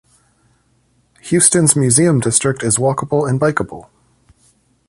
Houston's Museum District is walkable and bikeable.